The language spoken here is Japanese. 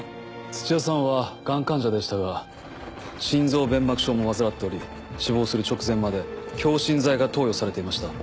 土屋さんはがん患者でしたが心臓弁膜症も患っており死亡する直前まで強心剤が投与されていました。